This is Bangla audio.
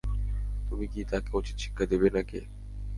তুমি কি তাকে উচিত শিক্ষা দেবে নাকি?